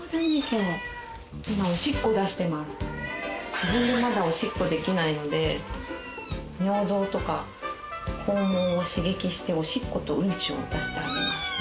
自分でまだおしっこできないので尿道とか肛門を刺激しておしっことうんちを出してあげます。